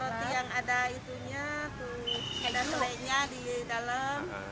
suka roti yang ada itunya ada selenya di dalam